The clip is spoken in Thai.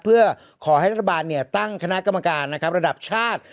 เพื่อขอให้นัฐบาลเนี่ยตั้งคณะกรรมการนะครับระดับชาติ